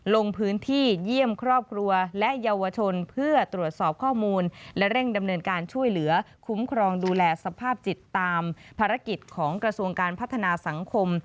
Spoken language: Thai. ลงพื้นที่เยี่ยมครอบครัวและเยาวชนเพื่อตรวจสอบข้อมูลและเร่งดำเนินการช่วยเหลือคุ้มครองดูแลสภาพจิตตามภารกิจของกระทรวงการพัฒนาสังคม